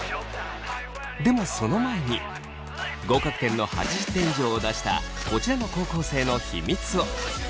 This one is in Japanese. でもその前に合格点の８０点以上を出したこちらの高校生の秘密を。